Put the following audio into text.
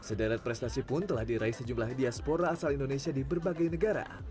sederet prestasi pun telah diraih sejumlah diaspora asal indonesia di berbagai negara